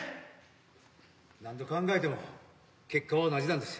何度考えても結果は同じなんです。